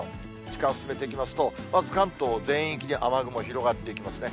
時間を進めていきますと、まず関東全域に雨雲広がっていきますね。